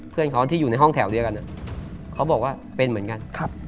เพื่อนเขาที่อยู่ในห้องแถวเดียวกันเขาบอกว่าเป็นเหมือนกัน